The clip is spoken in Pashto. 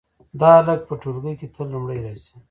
دا هلک په ټولګي کې تل لومړی راځي